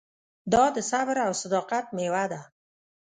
دا د صبر او صداقت مېوه ده.